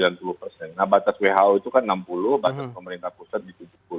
nah batas who itu kan enam puluh batas pemerintah pusat di tujuh puluh